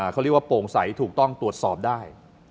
เขาเรียกว่าโปร่งใสถูกต้องตรวจสอบได้